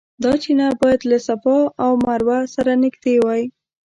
دا چینه باید له صفا او مروه سره نږدې وای.